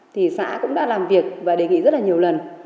thì xã cũng đã làm việc và đề nghị rất là nhiều lần